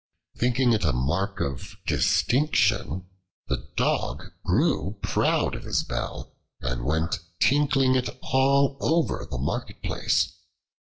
Thinking it a mark of distinction, the Dog grew proud of his bell and went tinkling it all over the marketplace.